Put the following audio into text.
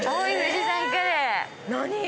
何？